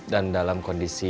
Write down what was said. dan dalam kondisi